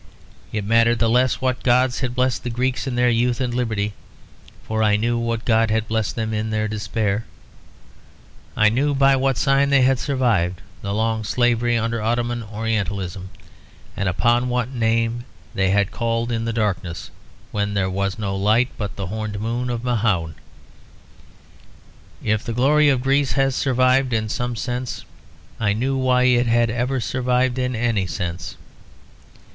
It mattered the less what gods had blessed the Greeks in their youth and liberty; for I knew what god had blessed them in their despair. I knew by what sign they had survived the long slavery under Ottoman orientalism; and upon what name they had called in the darkness, when there was no light but the horned moon of Mahound. If the glory of Greece has survived in some sense, I knew why it had ever survived in any sense.